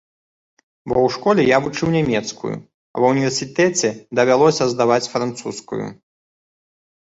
Бо ў школе я вучыў нямецкую, а ва ўніверсітэце давялося здаваць французскую.